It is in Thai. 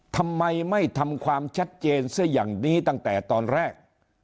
ทำไมไม่ทำความชัดเจนซะอย่างนี้ตั้งแต่ตอนแรก